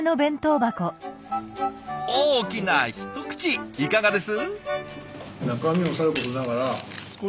大きな一口いかがです？